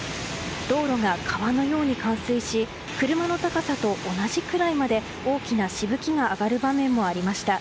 道路が川のように冠水し車の高さと同じくらいまで大きなしぶきが上がる場面もありました。